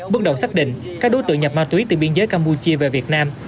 bước đầu xác định các đối tượng nhập ma túy từ biên giới campuchia về việt nam